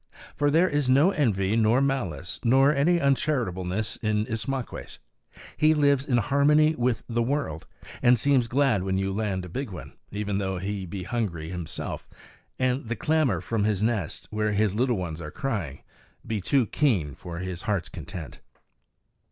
For there is no envy nor malice nor any uncharitableness in Ismaques. He lives in harmony with the world, and seems glad when you land a big one, even though he be hungry himself, and the clamor from his nest, where his little ones are crying, be too keen for his heart's content.